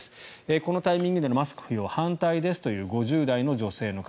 このタイミングでのマスク不要反対ですという５０代の女性の方。